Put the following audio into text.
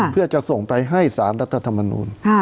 เพื่อจะส่งไปให้สารรัฐธรรมนูล